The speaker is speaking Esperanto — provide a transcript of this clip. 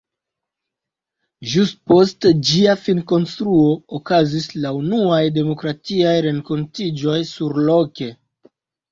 Ĵus post ĝia finkonstruo okazis la unuaj demokratiaj renkontiĝoj surloke!